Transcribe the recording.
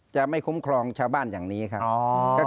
จะไม่คุ้มครองชาวบ้านอย่างนี้ครับ